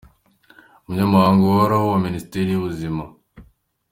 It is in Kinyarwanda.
Umunyamabanga uhoraho muri Minisiteri y’ubuzima,